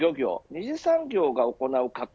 ２次産業が行う加工